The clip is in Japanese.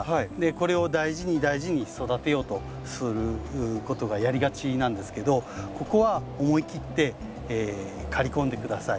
これを大事に大事に育てようとすることがやりがちなんですけどここは思い切って刈り込んで下さい。